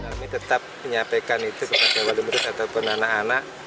kami tetap menyampaikan itu kepada wali murid ataupun anak anak